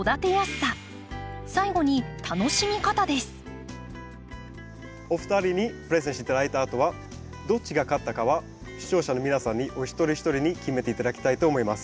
秋を彩るお二人にプレゼンして頂いたあとはどっちが勝ったかは視聴者の皆さんにお一人お一人に決めて頂きたいと思います。